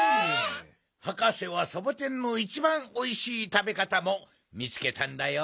はかせはサボテンのいちばんおいしいたべかたもみつけたんだよ。